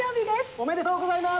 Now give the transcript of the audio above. おめでとうございます！